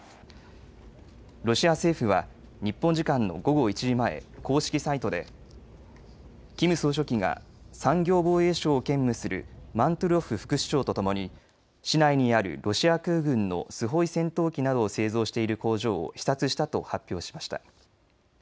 ロシア政府は日本時間の午後１時前、公式サイトでキム総書記が産業防衛相を兼務するマントゥロフ副首相とともに市内にあるロシア空軍のスホイ戦闘機などを製造している工場を視察したと発表しました。